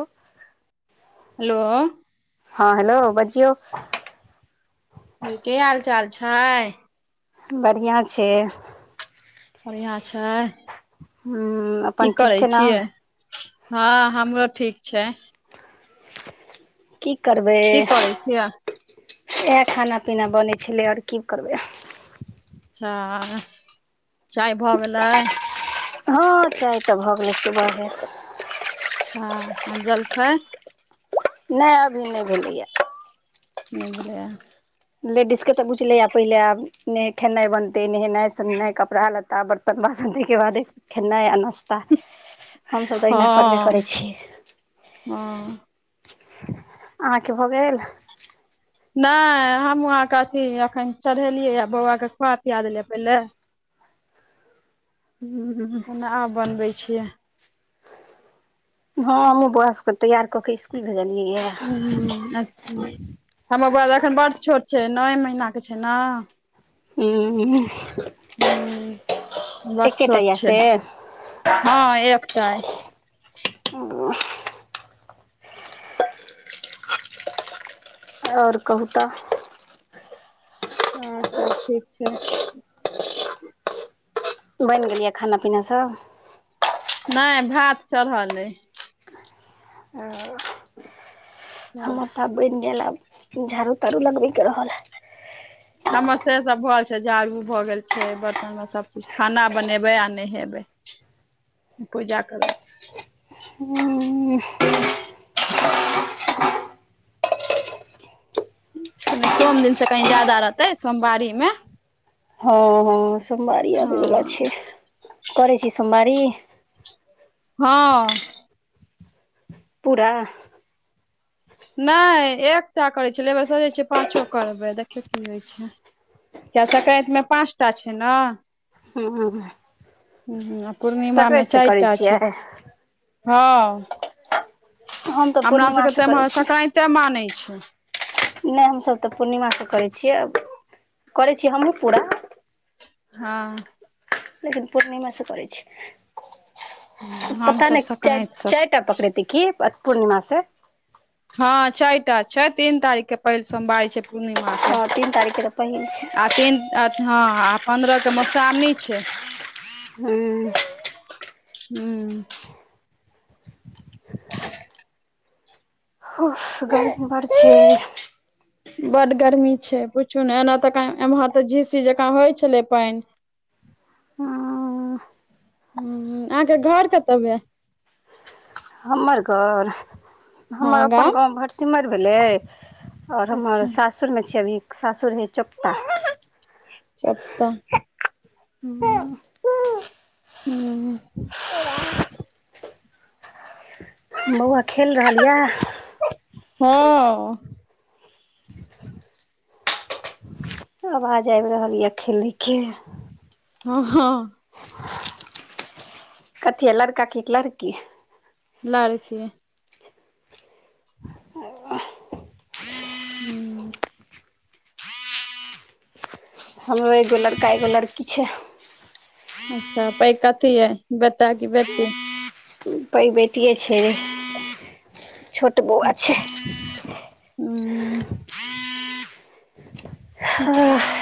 ओ। Hello. ह hello बजियौ। की हाल चाल छै? बढ़िआँ छै। बढ़िआँ छै। हूँ अपन की ठीक करै छै ने छियै? हँ हमरो ठीक छै। की करबै, की करै छियै इएह खाना पीना बनै छलै और की करबै। छा चाय भऽ गेलय। हँ चाय तऽ भऽ गेलय। सुबहे। हँ आ जलखै? नय अभी नय भेलैया। नय भेलैयै। लेडीज के तऽ बुछलेये आ पहिले आब ने खेनाइ बनतय नहेनाइ सोनेनाइ कपड़ा लत्ता बर- बरतन तयके बादे खेनाइ आ नस्ता- त हमसभ तऽ हँ अहिना करबे करै छी। हँ अहाँके भऽ गेल? नय हमहूँ अहाँके अथी अखन चढ़ेलियै। बौआ के खुआ पिया देलियै यै पहिले हँ खेनाइ आब बनबै छियै। हँ हमहूँ बौआ सबके तैयार कऽ के इसकुल भेजलियै य। हूँ- अच्छ- हमर बौआ तऽ एखन बड छोट छै नए महीनाके छै न- हूँ- हूँ बड छोट यऽ छै। से हँ एकटा अय। [unintelligible] और कहू तऽ- हँं सब ठीक छै। बइन गेलैये सब खाना पीना सब? नइ भात चढ़ल अय। हमर तऽ बइन गेल आब। झाड़ू -ताड़ू लगबै के रहल। हमर से सब भ छै झाड़ू भऽ गेल छै, बर्तनो सब चीज खाना बनेबै आ नहेबै। पूजा करबै। हूँ। कनी सोम दिन से कहीं जादा रहतै सोमवारी मे। हँ हँ सोमवारी आबे वला हँ छै। करै छी सोमवारी? हँ। पूरा? नय एकटा करै छलियै। अय बेर सोचय छियै पाँचो करबै देखियौ की होइ छै। कियैए सकरैंत मे पाँस टा छै न? हूँ- हूँ -हुं- हूँ हूँ आ पूरणिमा मे करै चाइटा छै। छियै हँ। हम तऽ हमरा सभके पूर्णिमासँ तऽ करै इम्हर छी सकरैंते मानै छै। नइ हम सब तऽ पूरनिमा स करै छियै। करै छीयै हमहुँ पूरा हँ- लेकिन पूर्णिमे से करै छीयै। पता हमसभ नइ संक्रान्ति सब चाइ-चाइटा पकड़ेतै की पूर्णिमा स? हँ चाइटा छै तीन तारीख के पैल सोमवारी छै पूर्णिमा के, हँ तीन तारीखके तऽ पहिल छै आ तीन आहँ आ- पन्द्रह के मौश्रावणी छै। हूँ। हूँ। [unintelligible] हूह गरमी बड छै। [unintelligible] बड गर्मी छै पूछू ने एना त एम्हर तऽ झीसी जकाँ होइ छले पानि। [unintelligible] हँ हूँ अहाँके घर कतऽ भेल। [unintelligible] हमर घर हमर हँ अपन गाम गाँव भटसिमैर भेलै। [unintelligible] आओर हमर अच्छा सासुरमे छी अभी सासुर हय चप। [unintelligible] चुप तऽ। [inaudible] हूँ। [inaudible] बउआ खेल रहल यए हँ। आवाज आबि रहल यऽ खेलयके ह हँ। कथी या लड़का की लड़की लड़के आ हू। हमरो एगो लड़का एगो लड़की छै। अच्छा पैइंघ कथी है बेटा की बेटी पइघ बेेटिये छै छोट बौआ छै अचछा ह ह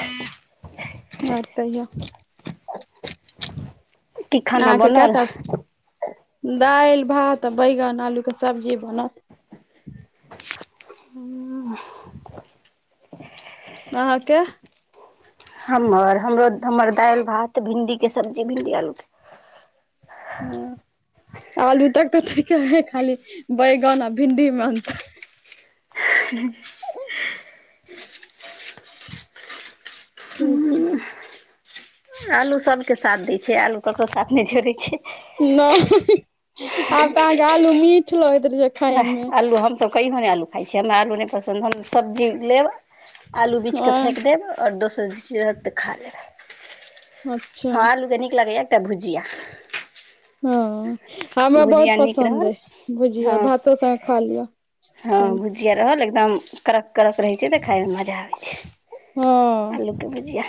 आर कहियो। की अहा खाना के बनल केटा दालि भात बैगन आलूके सब्जी बनत ह अहाँ के? हमर हमरो हमर दालि भात भिंडी के सब्जी भिंडी आलू ह आलू तक तऽ ठीके है, खाली बैगन आ भिंडी मे अतर हिन्ही ठ छै। आलू सभके साथ दै छै, आलू ककरो साथ नहि जोड़ै छै। आब तआहा के आलू मीठ लगाइत रहे छै। खाय नहि मे आलू हमसभ कहियओ नहि आलू खाइ छियै हमरा आलू नहि पसन्द हम सब्जी लेब आलू बिीछि अ कऽ फेँेक देब आओर दोसरी चीज रहत तऽ खा लेब अच्छा हँ, आलू के नीक लगैया एकटा भुजिया हँ, हमरा बहुत भुजिया नीक पसन्द रहल अ भुजिया हँ भातो सगे खा लिअ हँ, भुजिया रहल एकदम कड़क कड़क रहै छै, तऽ खायमे मजा आबै छै हँ आलू के भुजिया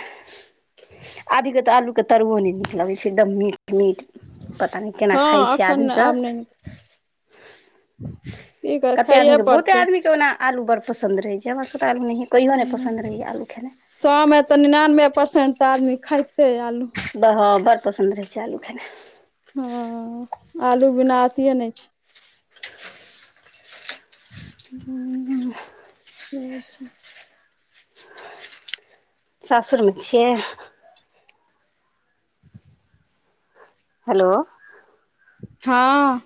अभि कतऽ आलू के तरु ने नीक लगे छै, एकदम मीठ मीठ पता नहि केना खााय हँ छै एखन आदमी सब बी कतेक आदमीके बहुते आदमीके ओना आलू बड़ पसन्द रहै छै, हमरासके आलू नहियए कहियो पसंद रहैए आलू खेनाइ सएमे तऽ निनानबे परसेंट तऽ आदमी खइते आलू हँ, बड़ पसन्द रहै छै आलू खेनाइ ह आलू बिना अथिए नहि छै। उ हुं। पोछा। सासुर मे छियै? हेलो। हँ।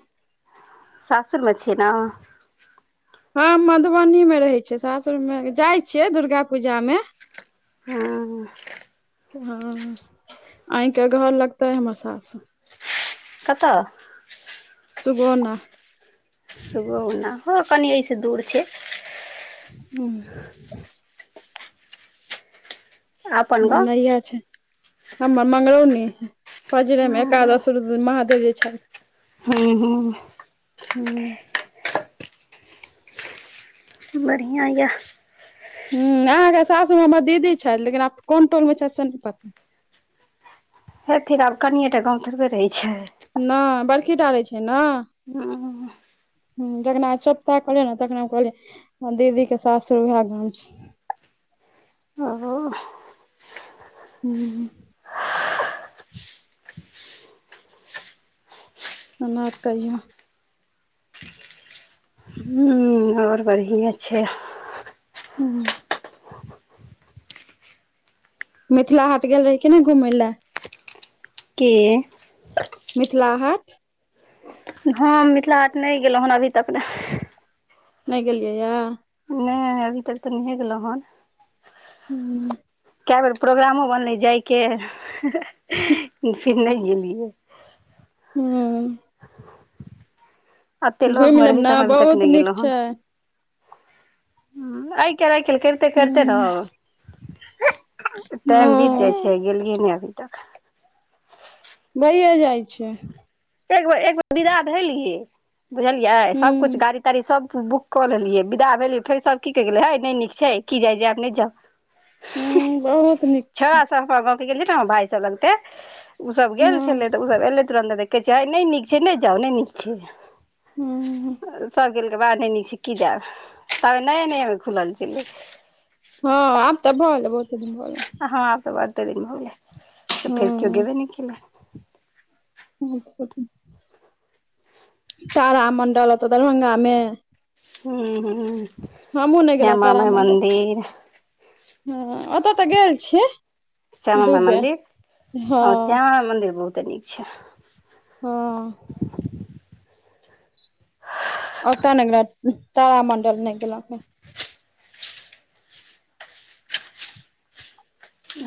सासुर मे छीय न। हम मधुबनी मे रहै छियै, सासुर मे जाइ छियै दुर्गा पूजा मे। हॅ की हँ अहि के घर लग त अए हमर सासुर। कतह। सुगोना। सागौना, ह कनि अई स दूर छैय। दुम अपन गाँव मगैया छैथ, हमर मगरौनी, पजरे मे हूँ एकादश रुद महादेव जे छै। हू- हू। हूं। बढ़िआँ याह। हुं अहाँ के सासुर मे हमर दीदी छैथि, लेकिन आब कोन टोल छथि से नय पत हेथिन आब कनियएटा गामव थोड़बे रहै छैय। नहि बड़की टा रहै छै न। ह हुं जगनाय सब ता करै ला, तखने कहलिय दीदी के सासुर वएह गाम छै। ह-हाॅ। हू कना कहिय। हु आओर बढ़ियेँ छै हा। उ-हू मिथिला हाट गेल रही कि नहि घूमैय लए। के मिथिला हाट। हँ मिथिला हाट नहि गेलहुँ हन अभी तक ने। नहि गेलियै या। नय अभी तक तऽ नहिहे गेलो हन। हू कए बेर प्रोग्रामो बनलै जाइके, [unintelligible] फिर नहि गेलियै। हूँ। अते लग घुमि मे लेब रहैत ने हम अभी तक बहुत नहि नीक गेलहु हन। छै हुं आए कालि आए कालि करिते- करिते हूँ रहब, टाइम बीत जाइ हँ छै गेलियै ने अभी तक। भहिए जाइ छै। एक बेर एक बे विदा भेलहीयै, बुझलियै सबकुछ हूँ गाड़ी- ताड़ी सब बुक कऽ लेलियै, विदा भेलै फेर सब की कहि गेलै हय नहि नीक छै, की जाय जायब नहि जाउ। हु बहुत नीक छै छरा सब हमरा गांव के गेलि न हम भाय सब लगते, उ सब गेल हँ छले तऽ उ सब एले तुरंते। कहेै छैय हाय नै नीक छै नै जाउ नय नीक छै। हूँ बा नै निक छै की जेब ताबे नये- नये मे खुलल छेलेै। हँ आब तऽ भल गेलै बहुत दिन भऽ गेलै। हँ तऽ आब तऽ बहुते दिन भऽ गेलेै तऽ फेर कोय हँ गेबे नै केलेै। तार मंडल ओतऽ दरभंगा मे। हँ हँ हमहुँ नहि गेलहुँ श्यामा तारा माइ मंडल मन्दिर। हँ ओतऽ तऽ गेल छियै। श्यामा दू माइ बेर मंदिर हँ श्यामा माइ मंदिर बहुते नीक छै। हँ। ओतऽ नैय गेलौ तारा मण्डल नैय गेलौ।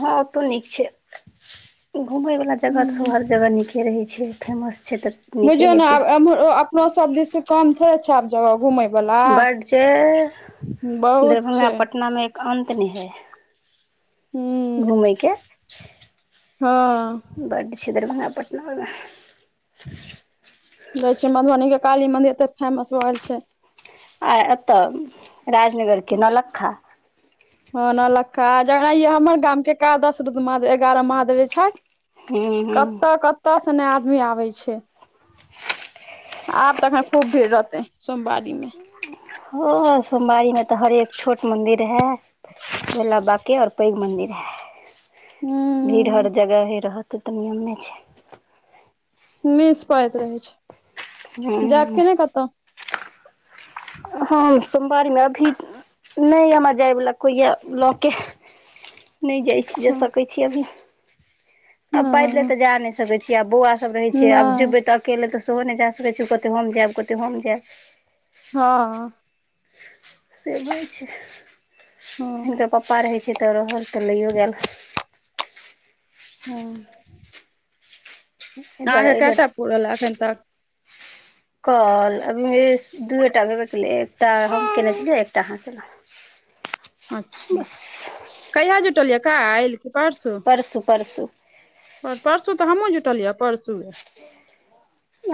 हँ ओतौ नीक छै घूमैय वला जगह तऽ हर जगह नीके रहै छै। फेमस छै तऽ। नीके बुझियो ने हेतै आब एम्रो अपनो सब दिस से कम थोड़े अच्छा जगह घुमैय बला बड छै बहुत दरभंगा छै। पटना मे एक अन्त नैय हइ। हूँ घुमेैय के हँ बड छै दरभंगा पटना ओर मे। देखै छियै मधुबनी के काली मंदिर एते फेमस भगेल छै। आय एतऽ राजनगर के नौ लखा। हँ नौलखा [unintelligible] हमर गाम के एक दस महा- एगारह महादेवे जे छैथ। हूं कतऽ- कतऽ सँ नै आदमी आबै छै। आब तखन खूब भीड़ रहतै सोमबारी मे। हँ सोमबारी में तऽ हरेक छोट मंदिर रहे भोला बाबा के और- पैघ मन्दिर रहे भीड़ हर हूँ जगहे रहत ओतऽ नियमे छै। मिस पड़ैत रहै छै जेएब हँ कि नेै कतौ। हम सोमबारी मे अभी नैय हमरा जाय वला कोय या लऽ के। नै जाय छी जा अच्छा सकै छी अभी आ पैदले हँ तऽ जा नै सकै छी आ बौआ। सब रहै छै आब नहि जबै तऽ अकेले तऽ सेहो नै जा सकै छै उ कहतेै हम जेएब उ कहतेै हम जेएब। हँ। से होय छै ओ हिनकर पप्पा रहै छै तऽ रहल तऽ लैओ गेल। हँ। एहि आहाँ दुआरे के एहि बेर केएटा पुरल एखन तक। काॅल अभी दूए टा भेबेकेलैया एकटा हम केने छेलियै एकटा आहाँ केलौ। अच्छा कहिया जुटल यै कैल की परसु। परसू -परसू पर- परसू तऽ हमहूँ जुटलियै यए परसूए।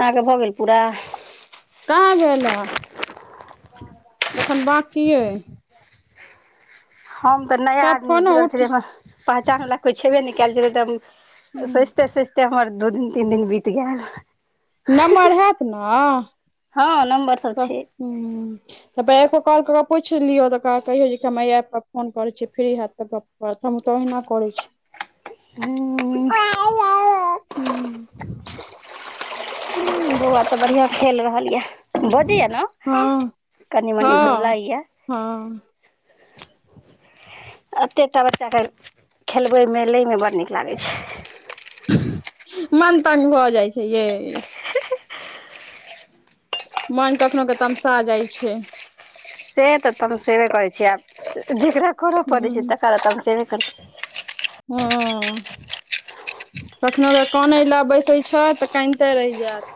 आहाँ के भऽ गेल पुरा। कहाँ भेल आ एखन बाकीैए अइ। हम तऽ नया सब आदमी मे फोनो जुड़ल उठ छेलियै हमरा पहचान बला कोइ छेबे नै केएल छैै तऽ हम। हूँ। सौचते-सौचते हमर दू दिन तीन दिन बीत गेल। नम्मर हेएत न हँ नम्बर सब तऽ छै हूँ। तऽ पहिले एक बेर कॉल कऽ के पूइछ लियौ तऽ कहियौ जे हम एहि एप पर फोन करै छीै फ्री हेब तऽ गप। प्रथम तऽ ओहिना करै छि। हूँ। हूँ। बउवा सब बढ़िया छै नं खेल रहल ये बजे या ने हँ कनी हँ मनी घुलाै हँ या। हँ। एतेटा बच्चाके खेलबै मेे लैमे बड़ नीक लागै छै। मन तंग भऽ जाइ छै ये। मन कखनो के तमसा जाइ छै। से तऽ तमसेबे करै छियै आब जकरा करऽ पड़ै छै ह तकरा त हम सेबे करै छ। हूं। कखनो का कनई लए बैसै छ तऽ कानिते रहि जायत।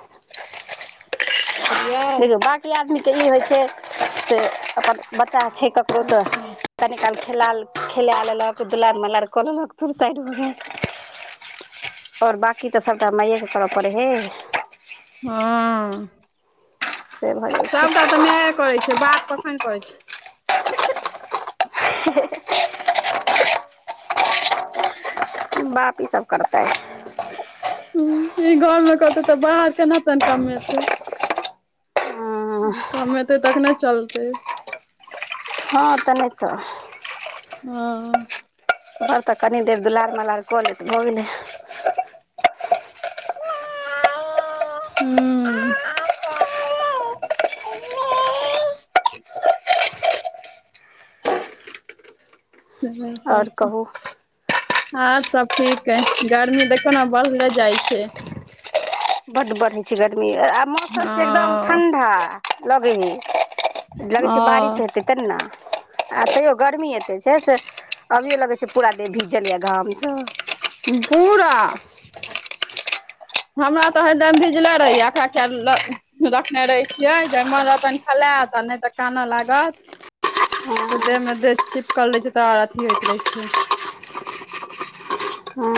बुझलियै देखियौ बाँकी आदमीके ई होइ छै से अपन बच्चा छै ककरो तऽ। अच्छा कनि काल खेलाय खेला लेलक दुलार मलार कऽ लेलक फेर साइड भ गेल। आओर बाकी तऽ सभटा मइएके करऽ पड़े हे। हँ। से भऽ जाइ छै सबटा तऽ मायए करै छै बाप कखन करै छै। [unintelligible] [unintelligible] बाप ई सब करतै। ह ई घर मे कहते तऽ बाहर केना तहन कमेतै। हँ कमेतै तखने चलतै। हँ त नहि तऽ। हँ। घर तऽ कनी देर दुलार मलार क लेत भऽ गेले। हू। ह सब आओर ठीक [unintelligible] कहू आर सब ठीक अय गर्मी देखियौ न बढ़ले जाइ छै। बड परे छै गर्मी आ मौसम छै एकदम हँ ठंडा। लगै हैइ लगै छै ओ बारिश हेतै तेना। आ तैयो गर्मी एते छै से अभियो लगै छै पूरा देह भीजल या घाम स। धूरा। हमरा तऽ हरदम भिजले रहियै एकरा किए ल रखने रहे छियै जे मन रहतनि खेलेत नहि तऽ कानऽ लागत। तऽ हँ देह मे देह चिपकल रहे छै तो आर अथी होइत रहे छै। हँ